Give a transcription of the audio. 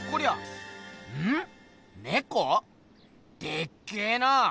でっけえな！